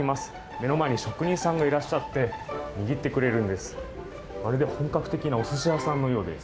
目の前に職人さんがいらっしゃって握ってくれるんです。